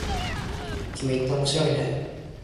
君って面白いね。